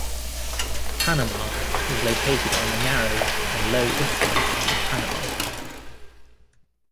Panama is located on the narrow and low Isthmus of Panama.